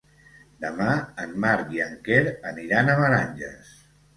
Demà en Marc i en Quer aniran a Meranges.